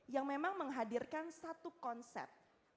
yang memang menghadirkan satu konsep